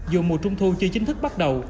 dù mùa trung thu chưa chính thức bắt đầu